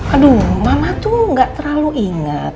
aduh mama tuh gak terlalu ingat